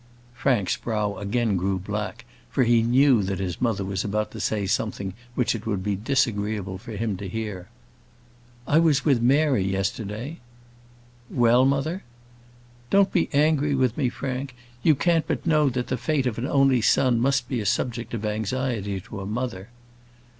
Frank's brow again grew black, for he knew that his mother was about to say something which it would be disagreeable for him to hear. "I was with Mary, yesterday." "Well, mother?" "Don't be angry with me, Frank; you can't but know that the fate of an only son must be a subject of anxiety to a mother."